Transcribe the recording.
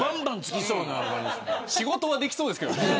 仕事はできそうですけど。